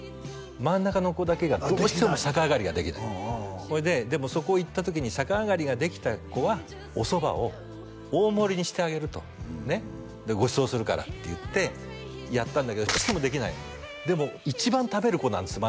真ん中の子だけがどうしても逆上がりができないほいででもそこ行った時に逆上がりができた子はおそばを大盛りにしてあげるとねっでごちそうするからって言ってやったんだけどどうしてもできないのでも一番食べる子なんです